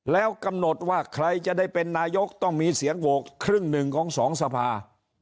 แล้วกำหนดว่าใครจะได้เป็นนายกต้องมีเสียงโหวตครึ่งหนึ่งของสองสภา